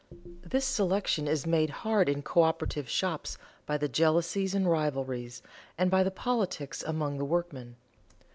This selection is made hard in coöperative shops by the jealousies and rivalries, and by the politics among the workmen.